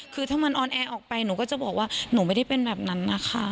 คือถ้ามันออนแอร์ออกไปหนูก็จะบอกว่าหนูไม่ได้เป็นแบบนั้นนะคะ